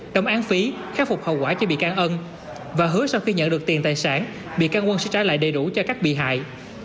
đồng án phí khắc phục hậu quả cho vị can ơn và hứa sau khi nhận được tiền tài sản vị can quân sẽ trả lại đầy đủ cho các bị hại